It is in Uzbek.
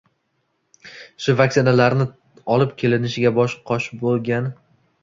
Shu vaksinalarni olib kelinishiga bosh qosh boʻlgan.